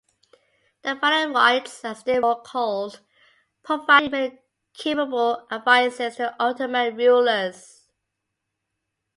The Phanariotes, as they were called, provided many capable advisers to the Ottoman rulers.